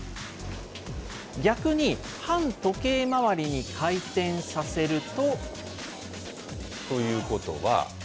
逆に反時計回りに回転さということは。